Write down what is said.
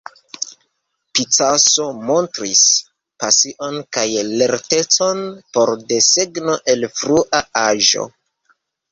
Picasso montris pasion kaj lertecon por desegno el frua aĝo.